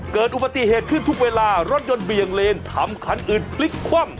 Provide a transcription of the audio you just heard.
เกิดอุบัติเหตุขึ้นทุกเวลารถยนต์เบี่ยงเลนทำคันอื่นพลิกคว่ำ